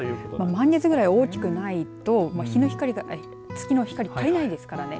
満月くらい大きくないと月の光、足りないですからね。